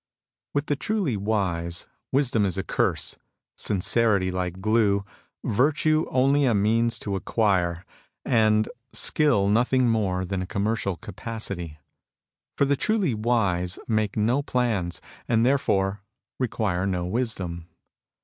With the truly wise, wisdom is a curse, sincerity like glue, virtue only a means to acquire, and MEN WITHOUT PASSIONS 87 skill nothing more than a commercial capacity. For the truly wise make no plans, and therefore require no wisdom.